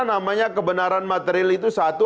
namanya kebenaran material itu satu